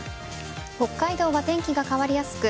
北海道は天気が変わりやすく